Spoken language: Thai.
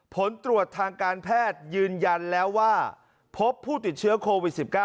ผลตรวจทางการแพทย์ยืนยันแล้วว่าพบผู้ติดเชื้อโควิด๑๙